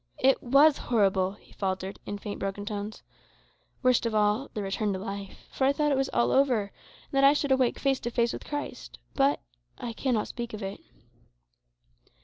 "It was horrible!" he faltered, in faint, broken tones. "Worst of all the return to life. For I thought all was over, and that I should awake face to face with Christ. But I cannot speak of it."